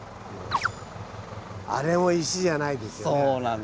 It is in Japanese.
あれも石じゃないですよね。